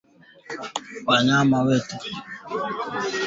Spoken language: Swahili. Wanyama ambao wamerundikwa mahali pamoja wanaweza kuathirika na homa ya mapafu